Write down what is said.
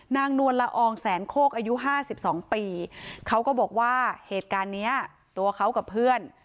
นวลละอองแสนโคกอายุ๕๒ปีเขาก็บอกว่าเหตุการณ์เนี้ยตัวเขากับเพื่อน